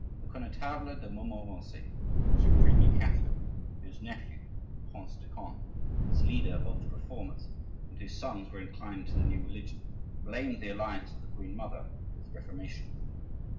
The Connetable de Montmorency, supremely Catholic, whose nephew, the Prince de Conde, was leader of the Reformers, and whose sons were inclined to the new religion, blamed the alliance of the queen mother with the Reformation.